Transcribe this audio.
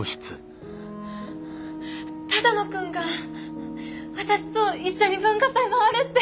只野くんが私と一緒に文化祭回るって！